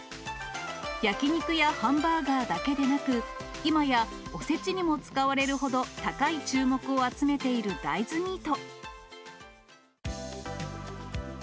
焼き肉やハンバーガーだけでなく、今や、おせちにも使われるほど高い注目を集めている大豆ミート。